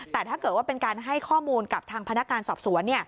แต่ถ้าเกิดว่าเป็นการให้ข้อมูลกับทางพนักงานสอบสวน